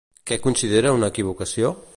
Què considera una equivocació?